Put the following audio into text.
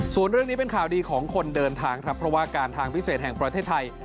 ส่วนเรื่องนี้เป็นข่าวดีของคนเดินทางครับเพราะว่าการทางพิเศษแห่งประเทศไทย